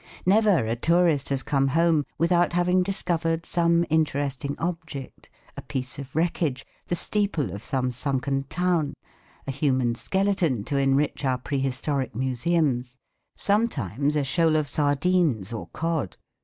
Never a tourist has come home without having discovered some interesting object a piece of wreckage, the steeple of some sunken town, a human skeleton to enrich our prehistoric museums, sometimes a shoal of sardines or cod.